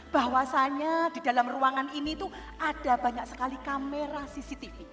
bahwasannya di dalam ruangan ini tuh ada banyak sekali kamera cctv